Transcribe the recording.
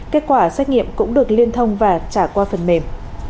kết quả xét nghiệm cũng được liên thông và trả qua phần mềm